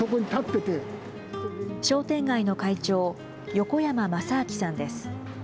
商店街の会長、横山政明さんです。